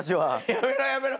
やめろやめろ！